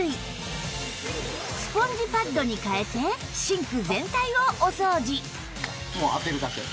スポンジパッドに換えてシンク全体をお掃除